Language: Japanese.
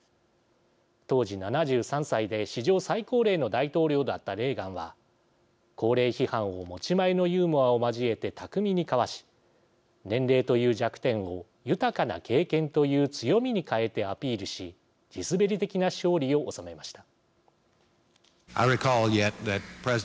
当時７３歳で史上最高齢の大統領だったレーガンは高齢批判を持ち前のユーモアを交えて巧みにかわし年齢という弱点を豊かな経験という強みに変えてアピールし地滑り的な勝利を収めました。